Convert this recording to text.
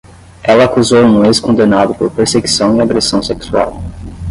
Ela acusou um ex-condenado por perseguição e agressão sexual.